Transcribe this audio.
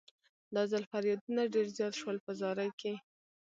دا ځل فریادونه ډېر زیات شول په زارۍ کې.